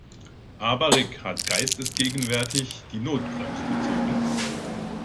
Aber Rick hat geistesgegenwärtig die Notbremse gezogen.